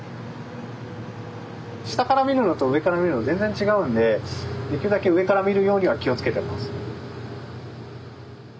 下から見るのと上から見るの全然違うんでできるだけ上から見るようには気を付けてます。